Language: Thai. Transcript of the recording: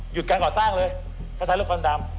หยุดการก่อนสร้างเลยถ้าใช้รถควันดำ